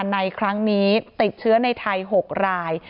ในครั้งนี้ติดเชื้อในไทย๖ราย